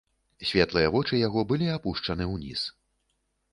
Светлыя вочы яго былі апушчаны ўніз.